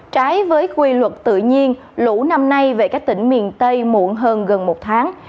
trái với quy luật tự nhiên lũ năm nay về các tỉnh miền tây muộn hơn gần một tháng